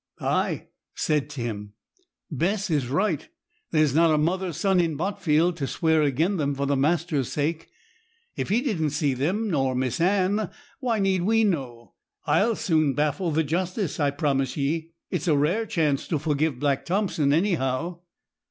'Ay,' said Tim, 'Bess is right; there's not a mother's son in Botfield to swear agen them for the master's sake. If he didn't see them, nor Miss Anne, why need we know? I'll soon baffle the justice, I promise ye. It's a rare chance to forgive Black Thompson, anyhow.'